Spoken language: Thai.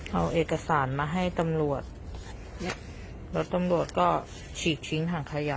เอาเอกสารมาให้ตำรวจแล้วตำรวจก็ฉีกทิ้งถังขยะ